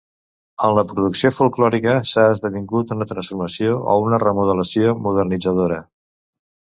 En la producció folklòrica s'ha esdevingut una transformació o una remodelació modernitzadora.